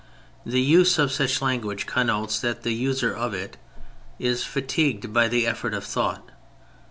The use of such language connotes that the user of it is fatigued by the effort of thought.